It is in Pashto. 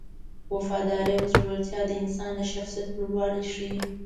وفاداري او زړورتیا د انسان د شخصیت لوړوالی ښيي.